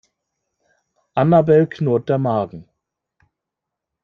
Annabel knurrt der Magen.